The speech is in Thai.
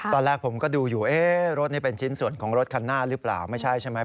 ตอนแรกผมก็ดูอยู่เอ๊ะรถนี่เป็นชิ้นส่วนของรถคันหน้าหรือเปล่าไม่ใช่ใช่ไหม